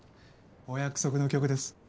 お約束の曲です。